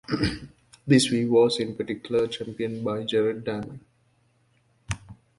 This view was in particular championed by Jared Diamond.